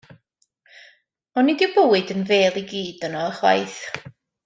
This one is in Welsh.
Ond nid yw bywyd yn fêl i gyd yno ychwaith.